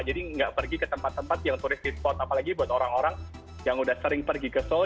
jadi gak pergi ke tempat tempat yang touristy spot apalagi buat orang orang yang udah sering pergi ke seoul